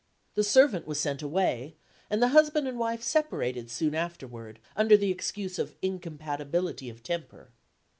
The servant was sent away, and the husband and wife separated soon afterward, under the excuse of incompatibility of temper.